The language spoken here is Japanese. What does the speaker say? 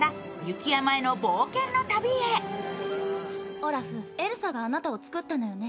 オラフ、エルサがあなたを作ったのよね。